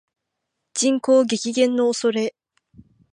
人口激減の恐れ